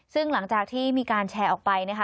ซึ่งหลังจากที่มีการแชร์ออกไปนะคะ